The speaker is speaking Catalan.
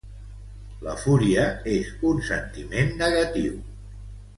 La fúria és un sentiment negatiu.